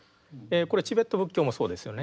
これチベット仏教もそうですよね。